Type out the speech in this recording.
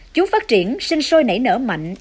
chúng phát triển sinh sôi nảy nở mạnh